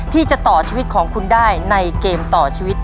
ที่จะต่อชีวิตของคุณได้ในเกมต่อชีวิต